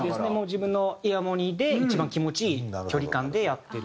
自分のイヤモニで一番気持ちいい距離感でやってるっていう。